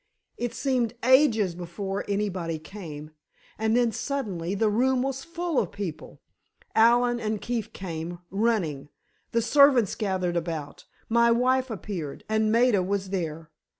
It seemed ages before anybody came, and then, suddenly the room was full of people. Allen and Keefe came, running—the servants gathered about, my wife appeared, and Maida was there.